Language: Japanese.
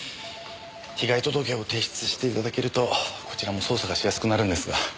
被害届を提出して頂けるとこちらも捜査がしやすくなるんですが。